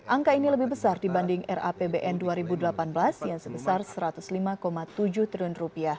angka ini lebih besar dibanding rapbn dua ribu delapan belas yang sebesar rp satu ratus lima tujuh triliun